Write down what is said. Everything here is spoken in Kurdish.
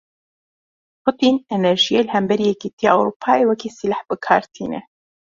Putîn, enerjiyê li hemberî Yekîtiya Ewropayê wekî sîleh bi kar tîne.